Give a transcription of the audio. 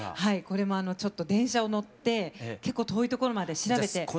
これもちょっと電車を乗って結構遠いところまで調べて。